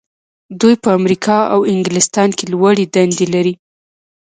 دوی په امریکا او انګلستان کې لوړې دندې لري.